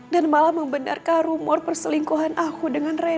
dan malah membenarkan rumor perselingkuhan aku dengan reno